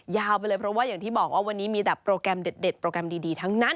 ยาวไปเลยเพราะว่าอย่างที่บอกว่าวันนี้มีแต่โปรแกรมเด็ดโปรแกรมดีทั้งนั้น